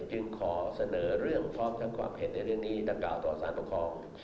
จึงขอเสนอเรื่องพร้อมทั้งความเห็นในเรื่องนี้ดังกล่าวต่อสารปกครอง